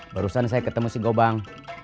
barusan saya ketemu si gouw bang